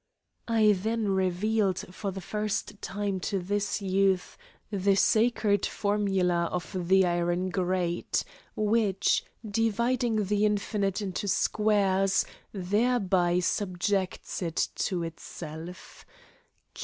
I then revealed for the first time to this youth the sacred formula of the iron grate, which, dividing the infinite into squares, thereby subjects it to itself.